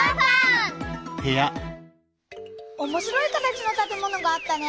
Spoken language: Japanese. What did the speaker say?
おもしろい形のたてものがあったね。